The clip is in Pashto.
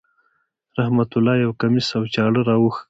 رحمت الله یو کمیس او چاړه را وښکاره کړه.